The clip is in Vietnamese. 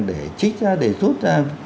để trích ra để rút ra